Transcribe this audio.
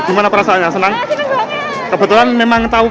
gimana perasaannya senang senang banget